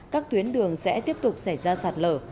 các tuyến đường sẽ tiếp tục xảy ra sạt lở